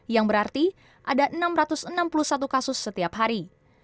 yang berarti ada enam ratus enam puluh satu kasus setiap hari